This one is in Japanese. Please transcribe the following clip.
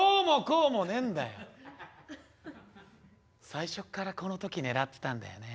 最初っからこの時狙ってたんだよね。